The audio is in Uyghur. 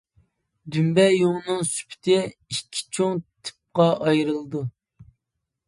دۈمبە يۇڭىنىڭ سۈپىتى ئىككى چوڭ تىپقا ئايرىلىدۇ.